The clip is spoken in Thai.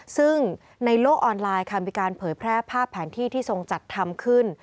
ซึ่งในโลกออนไลน์ค่ะมีการเผยแพร่ภาพแผนที่ที่ทรงจัดทำขึ้น